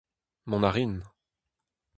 Mont a rin.